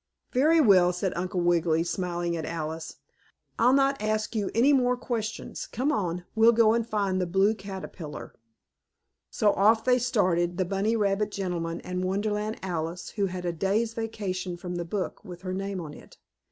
"Very well," said Uncle Wiggily, smiling at Alice. "I'll not ask you any more questions. Come on! We'll go find the Blue Caterpillar." So off they started, the bunny rabbit gentleman and Wonderland Alice who had a day's vacation from the book with her name on it.